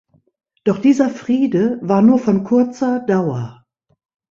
Doch dieser Friede war nur von kurzer Dauer.